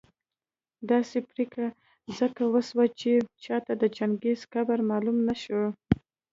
داسي پرېکړه ځکه وسوه چي چاته د چنګېز قبر معلوم نه شي